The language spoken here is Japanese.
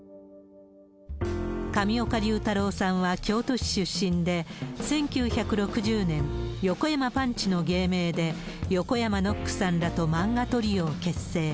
上岡龍太郎さんは京都市出身で、１９６０年、横山パンチの芸名で、横山ノックさんらと漫画トリオを結成。